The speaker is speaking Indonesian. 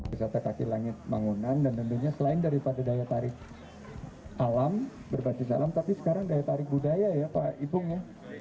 wisata kaki langit mangunan dan tentunya selain daripada daya tarik alam berbasis alam tapi sekarang daya tarik budaya ya pak ipung ya